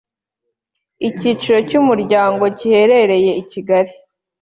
Icyicaro cy’ umuryango giherereye ikigali.